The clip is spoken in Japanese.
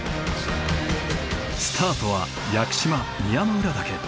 スタートは屋久島宮之浦岳。